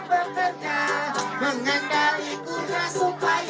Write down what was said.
pertama anak anak yang tidak bisa berpikir pikir